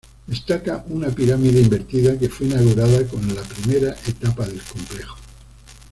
Destaca una pirámide invertida que fue inaugurada con la primera etapa del complejo.